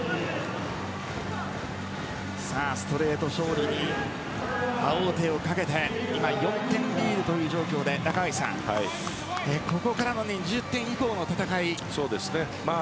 ストレート勝利に王手をかけて今、４点リードという状況でここからの２０点以降の戦い。